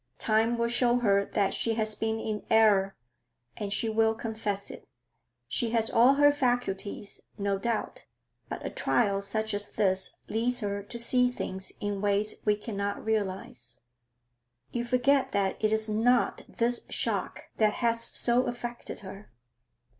Time will show her that she has been in error, and she will confess it. She has all her faculties, no doubt, but a trial such as this leads her to see things in ways we cannot realise.' 'You forget that it is not this shock that has so affected her.'